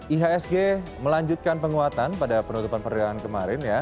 ihsg melanjutkan penguatan pada penutupan perdagangan kemarin ya